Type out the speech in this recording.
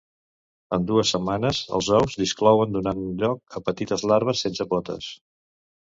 En dues setmanes els ous desclouen donant lloc a petites larves sense potes.